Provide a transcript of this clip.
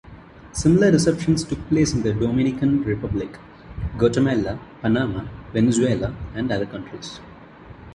Similar receptions took place in the Dominican Republic, Guatemala, Panama, Venezuela and other countries.